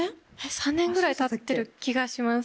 ３年ぐらい経ってる気がします。